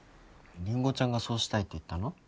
りんごちゃんがそうしたいって言ったの？